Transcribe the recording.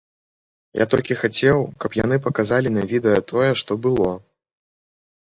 Я толькі хацеў, каб яны паказалі на відэа тое, што было.